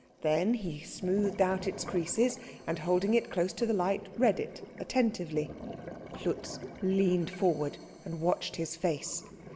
Then he smoothed out its creases, and holding it close to the light read it attentively. Klutz leaned forward and watched his face.